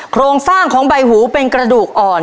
โครงสร้างของใบหูเป็นกระดูกอ่อน